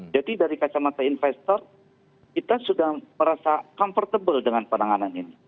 dari kacamata investor kita sudah merasa comfortable dengan penanganan ini